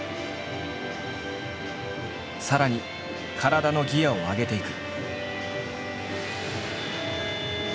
さらに体のギアを上げていく。